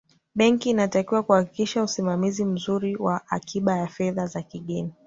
benki inatakiwa kuhakikisha usimamizi mzuri wa akiba ya fedha za kigeni